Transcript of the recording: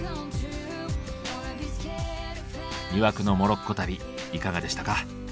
魅惑のモロッコ旅いかがでしたか。